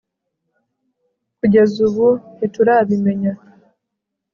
kugeza ubu ntiturabimenya